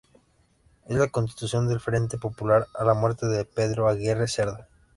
Es la continuación del Frente Popular, a la muerte de Pedro Aguirre Cerda.